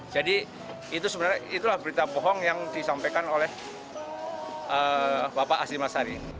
jadi itu sebenarnya berita bohong yang disampaikan oleh bapak hashim ashari